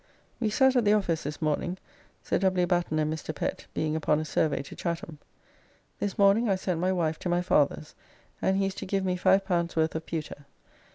We sat at the office this morning, Sir W. Batten and Mr. Pett being upon a survey to Chatham. This morning I sent my wife to my father's and he is to give me L5 worth of pewter.